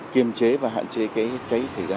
kiềm chế và hạn chế cái cháy xảy ra